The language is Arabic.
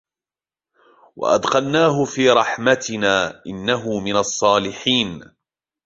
وأدخلناه في رحمتنا إنه من الصالحين